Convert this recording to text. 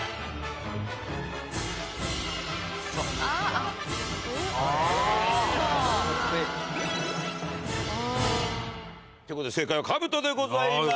あぁ。ということで正解は兜でございました。